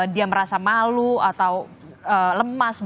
dia merasa malu atau lemas